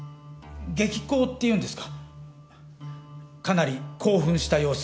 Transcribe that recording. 激高っていうんですかかなり興奮した様子で。